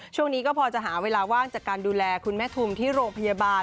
ช่วงนี้ก็พอจะหาเวลาว่างจากการดูแลคุณแม่ทุมที่โรงพยาบาล